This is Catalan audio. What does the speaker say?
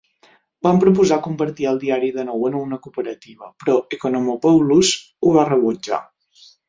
Van proposar convertir el diari de nou en una cooperativa, però Ekonomopoulos ho va rebutjar.